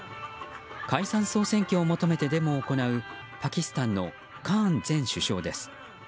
解散・総選挙を求めてデモを行うパキスタンのカーン前首相です。